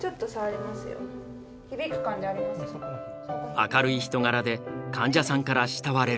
明るい人柄で患者さんから慕われる。